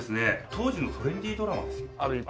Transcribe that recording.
当時のトレンディードラマですよある意味。